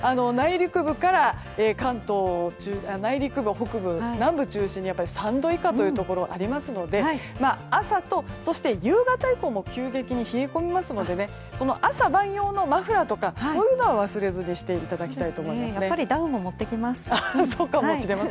内陸部、北部、南部を中心に３度以下というところがありますので朝と、そして夕方以降も急激に冷え込みますので朝晩用のマフラーとかそういうのは忘れずにしていただきたいと思います。